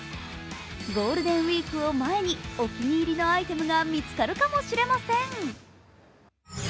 ゴールデンウイークを前にお気に入りのアイテムが見つかるかもしれません。